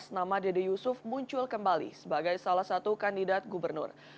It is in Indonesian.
nama dede yusuf muncul kembali sebagai salah satu kandidat gubernur